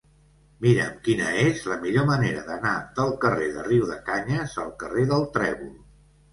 Mira'm quina és la millor manera d'anar del carrer de Riudecanyes al carrer del Trèvol.